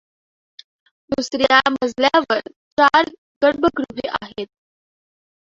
दुसर् या मजल्यावर चार गर्भगृहे आहेत.